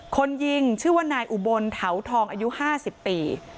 คนยิงชื่อว่านายอุบลเถาทองอายุ๕๐ปี